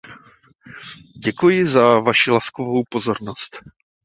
Děkuji za vaši laskavou pozornost.